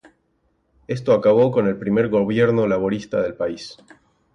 Esto acabó con el primer gobierno laborista del país.